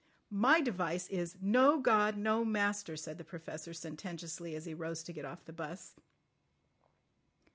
"My device is: No God! No Master," said the Professor sententiously as he rose to get off the 'bus.